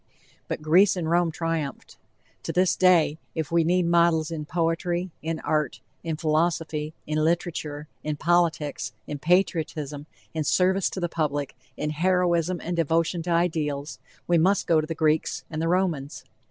But Greece and Rome triumphed. To this day, if we need models in poetry, in art, in philosophy, in literature, in politics, in patriotism, in service to the public, in heroism and devotion to ideals we must go to the Greeks and the Romans.